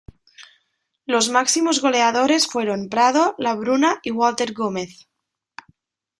Los máximos goleadores fueron Prado, Labruna y Walter Gómez.